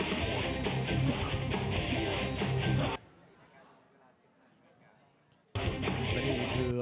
และแพ้๒๐ไฟ